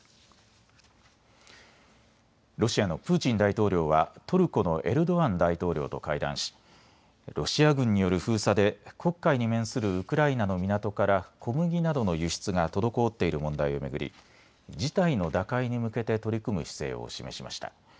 ロシアのプーチン大統領はトルコのエルドアン大統領と会談し、ロシア軍による封鎖で黒海に面するウクライナの港から小麦などの輸出が滞っている問題を巡り事態の打開に向けて取り組む姿勢を示しました。